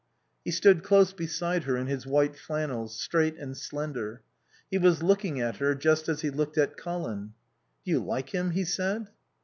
He stood close beside her in his white flannels, straight and slender. He was looking at her, just as he looked at Colin. "Do you like him?" he said.